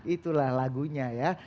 itulah lagunya ya